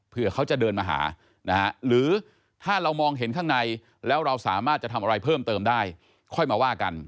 เพื่อเขาจะเดินมาหานะฮะหรือถ้าเรามองเห็นข้างในแล้วเราสามารถจะทำอะไรเพิ่มเติมได้ค่อยมาว่ากัน